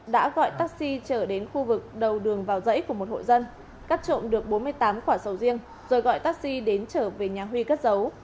tại cơ quan công an hai đối tượng đã gọi taxi trở đến khu vực đầu đường vào dãy của một hộ dân cắt trộm được bốn mươi tám quả sầu riêng rồi gọi taxi đến trở về nhà huy cất dấu